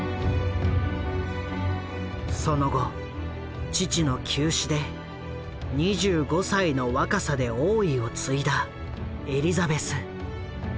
その後父の急死で２５歳の若さで王位を継いだエリザベス。